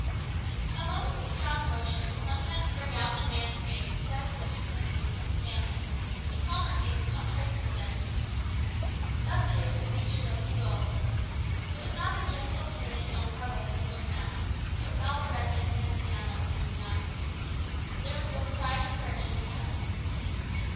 A moment of strong emotion will sometimes bring out in a man's face characteristic lineaments of his family, in calmer seasons not traceable there. Thus it is with features of the soul. It was not the gentle timid Don Carlos who spoke now, it was Alvarez de Santillanos y Meñaya. There was both pride and courage in his tone.